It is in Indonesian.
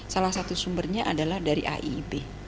salah satu sumbernya adalah dari aiib